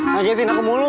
kagetin aku mulu